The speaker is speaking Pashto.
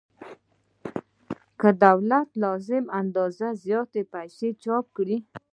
که دولت له لازمې اندازې زیاتې پیسې چاپ کړي